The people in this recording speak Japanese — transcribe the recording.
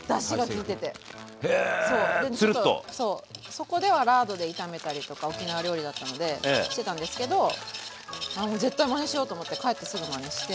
そこではラードで炒めたりとか沖縄料理だったのでしてたんですけどあもう絶対マネしようと思って帰ってすぐマネして。